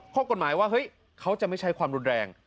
ข้อกฎหมายว่าเฮ้ยเขาจะไม่ใช้ความรุนแรง